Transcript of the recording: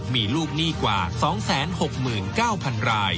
มีลูกหนี้กว่า๒๖๙๐๐ราย